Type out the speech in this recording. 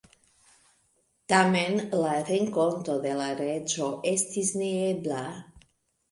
Tamen, la renkonto de la reĝo estis neebla.